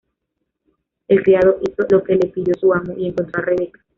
El criado hizo lo que le pidió su amo y encontró a Rebeca.